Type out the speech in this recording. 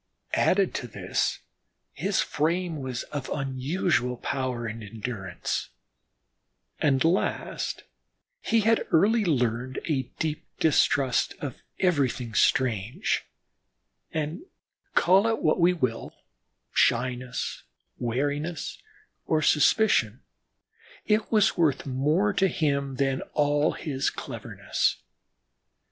Added to this, his frame was of unusual power and endurance, and last, he had early learned a deep distrust of everything strange, and, call it what we will, shyness, wariness or suspicion, it was worth more to him than all his cleverness.